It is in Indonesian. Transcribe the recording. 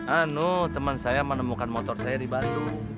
anu teman saya menemukan motor saya di bandung